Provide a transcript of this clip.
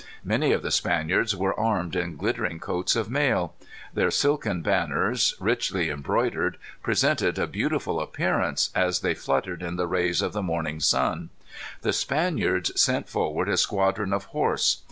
Many of the Spaniards were armed in glittering coats of mail. Their silken banners, richly embroidered, presented a beautiful appearance as they fluttered in the rays of the morning sun. The Spaniards sent forward a squadron of horse.